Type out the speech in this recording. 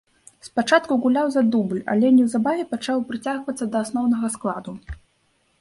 Спачатку гуляў за дубль, але неўзабаве пачаў прыцягвацца да асноўнага складу.